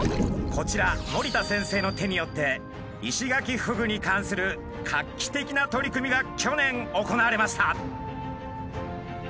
こちら森田先生の手によってイシガキフグに関する画期的な取り組みが去年行われました。